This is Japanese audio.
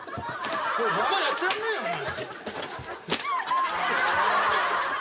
ばばあやってらんねえよお前。